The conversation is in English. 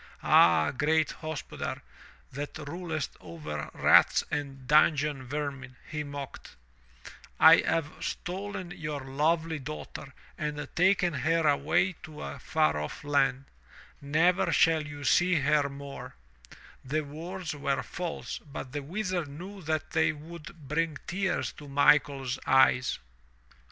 "Aha, great hospodar, that rulest over rats and dungeon vermin," he mocked, "I have stolen your lovely daughter and taken her away to a far off land. Never shall you see her more." The words were false, but the Wizard knew that they would 380 THROUGH FAIRY HALLS bring tears to Michaers eyes.